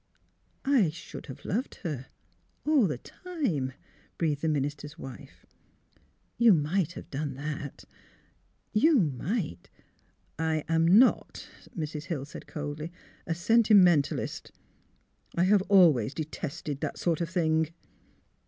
" I — should have loved her — all the time," breathed the minister's wife. " You might have done that. You might "*' I am not," Mrs. Hill said, coldly, " a senti mentalist. I have always detested that sort of thing."